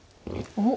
おっ！